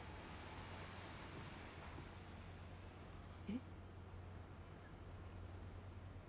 えっ。